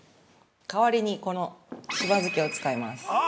代わりにこのしば漬けを使います。